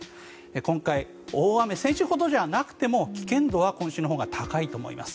今回、先週ほどじゃなくても危険度は今週のほうが高いと思います。